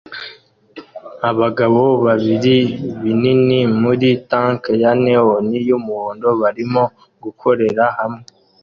Abagabo babiri binini muri tank ya neon yumuhondo barimo gukorera hamwe